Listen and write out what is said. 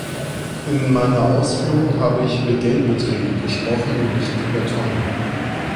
In meiner Ausführung habe ich über Geldbeträge gesprochen und nicht über Tonnen.